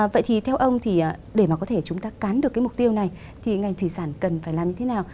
vậy thì theo ông thì để mà có thể chúng ta cán được cái mục tiêu này thì ngành thủy sản cần phải làm như thế nào